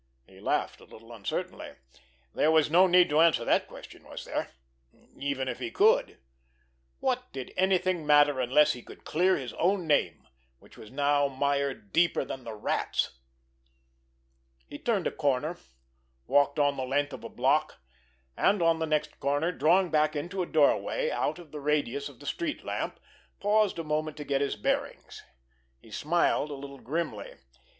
He laughed a little uncertainly. There was no need to answer that question, was there—even if he could? What did anything matter unless he could clear his own name, which was now mired deeper than the Rat's! He turned a corner, walked on the length of a block, and on the next corner, drawing back into a doorway out of the radius of the street lamp, paused a moment to get his bearings. He smiled a little grimly.